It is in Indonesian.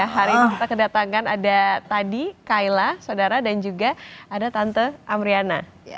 hari ini kita kedatangan ada tadi kaila saudara dan juga ada tante amriana